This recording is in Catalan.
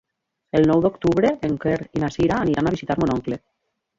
El nou d'octubre en Quer i na Cira aniran a visitar mon oncle.